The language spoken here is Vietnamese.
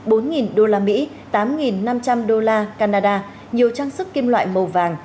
bốn usd tám năm trăm linh usd canada nhiều trang sức kim loại màu vàng